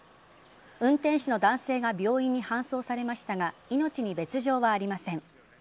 運転手の男性が病院に搬送されましたが命に別状はありません。